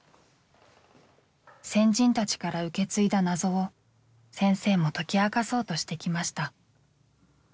先人たちから受け継いだ謎を先生も解き明かそうとしてきました。